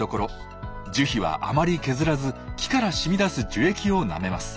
樹皮はあまり削らず木からしみ出す樹液をなめます。